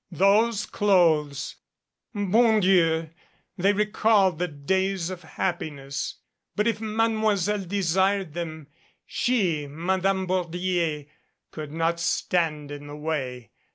Those clothes bon Dieu! they recalled the days of happiness; but if Mademoiselle desired them, she, Madame Bordier, could not stand in the way.